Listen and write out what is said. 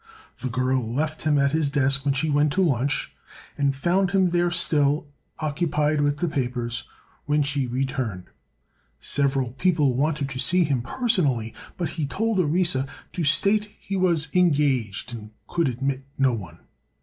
The girl left him at his desk when she went to lunch and found him there, still occupied with the papers, when she returned. Several people wanted to see him personally, but he told Orissa to state he was engaged and could admit no one.